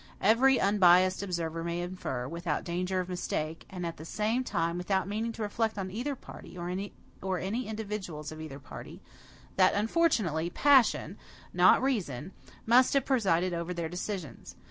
Every unbiased observer may infer, without danger of mistake, and at the same time without meaning to reflect on either party, or any individuals of either party, that, unfortunately, PASSION, not REASON, must have presided over their decisions.